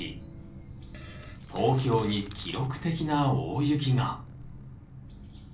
東京に記録的な大雪が。